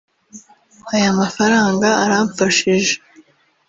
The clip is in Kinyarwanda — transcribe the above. Aya mafaranga) aramfashije